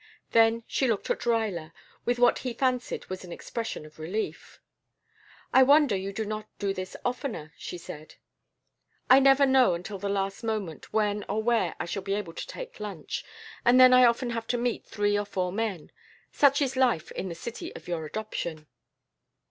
Then she looked at Ruyler with what he fancied was an expression of relief. "I wonder you do not do this oftener," she said. "I never know until the last moment when or where I shall be able to take lunch, and then I often have to meet three or four men. Such is life in the city of your adoption."